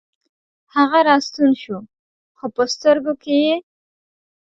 هغه راستون شو، خوپه سترګوکې یې